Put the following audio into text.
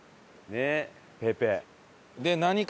ねえペペ。